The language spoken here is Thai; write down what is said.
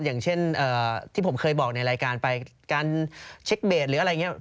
อย่างเช่นที่ผมเคยบอกในรายการไปการเช็คเบสหรืออะไรอย่างนี้